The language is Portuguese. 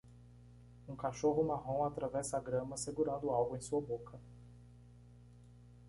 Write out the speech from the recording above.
Um cachorro marrom atravessa a grama segurando algo em sua boca